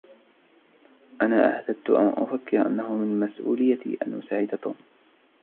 أنا اعتدت أن أفكر أنه من مسؤليتي أن أساعد توم.